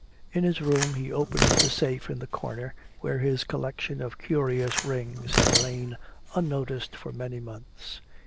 In his room he opened the safe in the corner where his collection of curious rings had lain unnoticed for many months.